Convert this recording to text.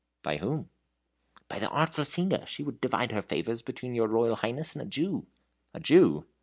"By whom?" "By the artful singer. She would divide her favors between your Royal Highness and a Jew." "A Jew?"